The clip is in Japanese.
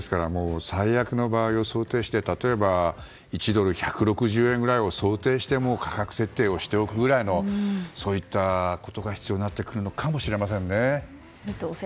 最悪の場合を想定して例えば、１ドル＝１６０円ぐらいを想定してもう価格設定をしておくくらいのそういったことが必要になってくるのかもしれませんね。